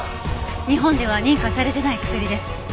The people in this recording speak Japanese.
日本では認可されてない薬です。